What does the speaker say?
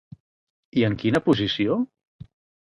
I en quina posició?